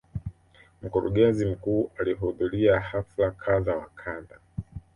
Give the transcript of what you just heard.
Mkurugenzi mkuu alihudhuria hafla kadha wa kadha.